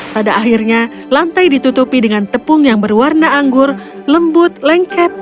pada akhirnya lantai ditutupi dengan tepung yang berwarna anggur lembut lengket